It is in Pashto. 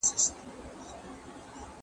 ¬ خپلي پښې د خپلي کمبلي سره غځوه.